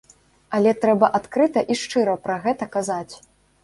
Але трэба адкрыта і шчыра пра гэта казаць.